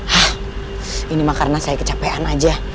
hah ini mah karena saya kecapean aja